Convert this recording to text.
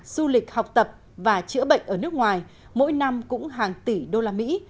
du lịch học tập và chữa bệnh ở nước ngoài mỗi năm cũng hàng tỷ usd